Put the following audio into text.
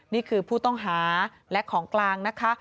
นี่คือผู้ต้องหาและของกลางนะคะ